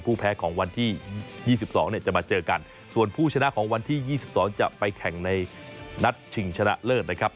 แพ้ของวันที่๒๒เนี่ยจะมาเจอกันส่วนผู้ชนะของวันที่๒๒จะไปแข่งในนัดชิงชนะเลิศนะครับ